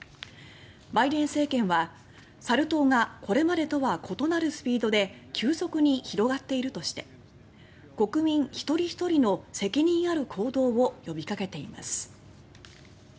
バイデン政権はサル痘が「これまでとは異なるスピードで急速に広がっている」として国民一人ひとりの責任ある行動を呼びかけています。